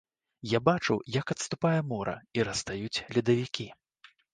Я бачыў, як адступае мора і растаюць ледавікі.